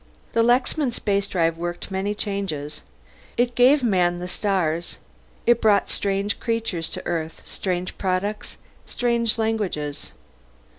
The Lexman Spacedrive worked many changes. It gave man the stars. It brought strange creatures to Earth, strange products, strange languages.